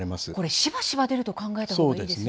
しばしば出ると考えた方がいいですね。